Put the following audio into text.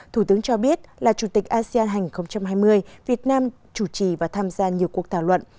thủ tướng cho biết là chủ tịch asean hai nghìn hai mươi việt nam chủ trì và tham gia nhiều cuộc thảo luận